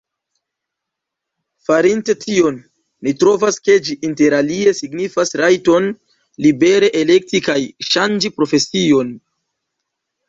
Farinte tion, ni trovas, ke ĝi interalie signifas rajton libere elekti kaj ŝanĝi profesion.